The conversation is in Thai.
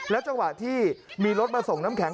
จังหวะที่มีรถมาส่งน้ำแข็ง